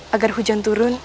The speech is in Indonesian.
agar hujan turun